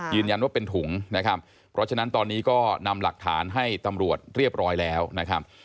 ยืนยันว่าเป็นถุงนะครับเพราะฉะนั้นตอนนี้ก็นำหลักฐานให้ตำรวจเรียบร้อยแล้วนะครับ